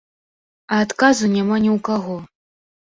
А адказу няма ні ў каго.